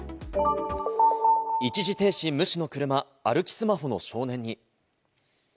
一時停止無視の車、歩きスマホの少年に。